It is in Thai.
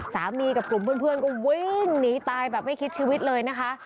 กับกลุ่มเพื่อนก็วิ่งหนีตายแบบไม่คิดชีวิตเลยนะคะ